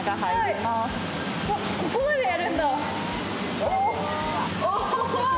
わっ、ここまでやるんだ、おー。